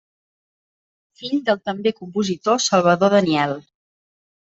Fill del també compositor Salvador Daniel.